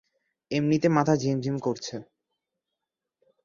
এমনিতে মাথা ঝিমঝিম করছে।